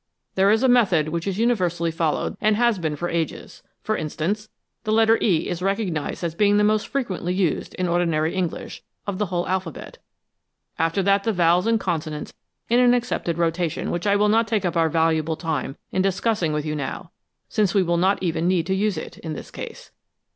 There is a method which is universally followed, and has been for ages. For instance, the letter e is recognized as being the most frequently used, in ordinary English, of the whole alphabet; after that the vowels and consonants in an accepted rotation which I will not take up our valuable time in discussing with you now, since we will not even need to use it, in this case.